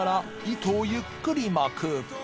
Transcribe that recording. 糸をゆっくり巻く）